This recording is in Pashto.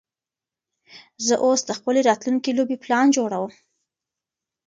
زه اوس د خپلې راتلونکې لوبې پلان جوړوم.